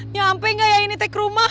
nyampe gak ya ini teh kerumah